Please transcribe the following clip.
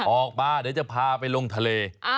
ออกมาเดี๋ยวจะพาไปลงทะเล